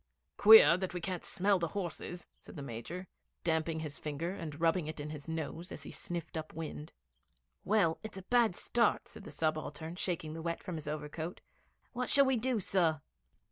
'Queer that we can't smell the horses,' said the Major, damping his finger and rubbing it on his nose as he sniffed up wind. 'Well, it's a bad start,' said the subaltern, shaking the wet from his overcoat. 'What shall we do, sir?'